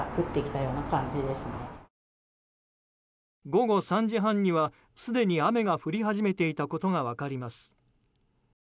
午後３時半には、すでに雨が降り始めていたことが分かります。